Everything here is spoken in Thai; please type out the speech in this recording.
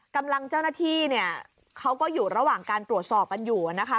กำลังเจ้าหน้าที่เนี่ยเขาก็อยู่ระหว่างการตรวจสอบกันอยู่นะคะ